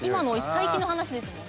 最近の話ですもんね。